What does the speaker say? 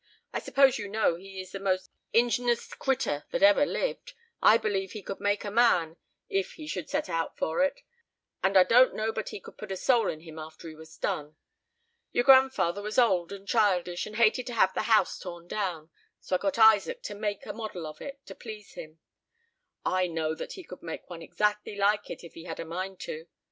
I suppose you know he is the most ing'nious critter that ever lived. I believe he could make a man, if he should set out for it; and I don't know but he could put a soul in him after he was done. Your grandfather was old and childish, and hated to have the house torn down; so I got Isaac to make a model of it, to please him. I know that he could make one exactly like it, if he had a mind to.